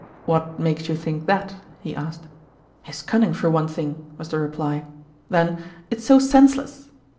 "What makes you think that?" he asked. "His cunning, for one thing," was the reply. "Then it's so senseless.